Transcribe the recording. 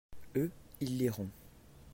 eux, ils liront.